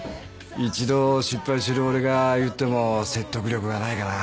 一度失敗してる俺が言っても説得力がないかな。